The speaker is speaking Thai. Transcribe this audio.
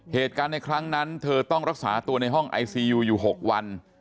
เหตุการณ์ในครั้งนั้นเธอต้องรักษาตัวในห้องไอซียูอยู่๖วัน